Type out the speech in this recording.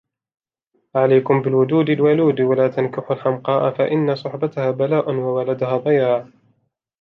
عَلَيْكُمْ بِالْوَدُودِ الْوَلُودِ وَلَا تَنْكِحُوا الْحَمْقَاءَ فَإِنَّ صُحْبَتَهَا بَلَاءٌ وَوَلَدَهَا ضِيَاعٌ